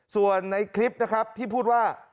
ส่วนในคลิปที่พูดว่า